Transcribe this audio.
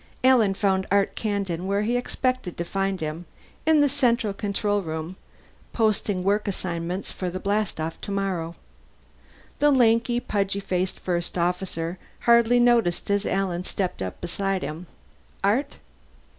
Alan found Art Kandin where he expected to find him in the Central Control Room, posting work assignments for the blastoff tomorrow. The lanky, pudgy faced First Officer hardly noticed as Alan stepped up beside him. "Art?"